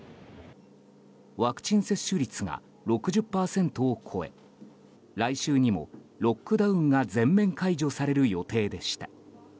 ワクチン接種率が６０％を超え来週にもロックダウンが全面解除される予定でした。